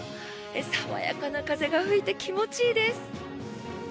爽やかな風が吹いて気持ちいいです。